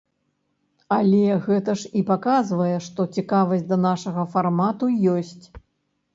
Але гэта ж і паказвае, што цікавасць да нашага фармату ёсць.